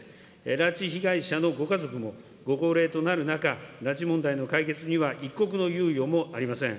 拉致被害者のご家族もご高齢となる中、拉致問題の解決には一刻の猶予もありません。